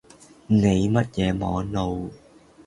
你乜嘢網路